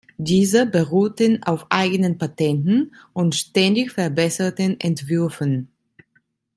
Diese beruhten auf eigenen Patenten und ständig verbesserten Entwürfen.